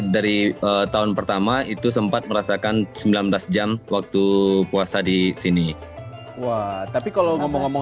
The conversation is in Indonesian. dari tahun pertama itu sempat merasakan sembilan belas jam waktu puasa di sini wah tapi kalau ngomong ngomong